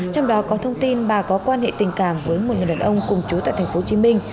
trong đó có thông tin bà có quan hệ tình cảm với một người đàn ông cùng chú tại tp hcm